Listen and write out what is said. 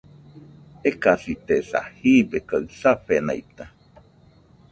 Ekasitesa, jibe kaɨ safenaita